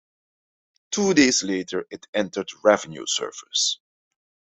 Two days later, it entered revenue service.